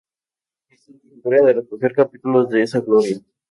La historia se encarga de recoger capítulos de esa gloria.